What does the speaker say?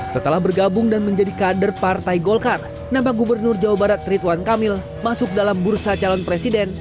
setelah bergabung dan menjadi kader partai golkar nampak gubernur jawa barat rituan kamil masuk dalam bursa calon presiden